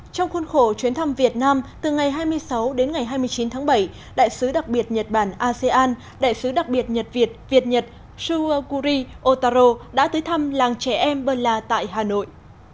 trong khuôn khổ chuyến thăm việt nam từ ngày hai mươi sáu đến ngày hai mươi chín tháng bảy đại sứ đặc biệt nhật bản asean đại sứ đặc biệt nhật việt việt nhật shua kuri otaro đã tới thăm làng trẻ em bơ la tại hà nội